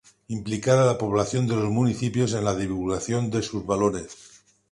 implicar a la población de los municipios en la divulgación de sus valores